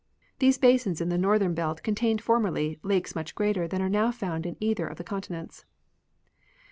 These basins in the northern belt contained formerly, lakes much greater than are now found in either of the continents.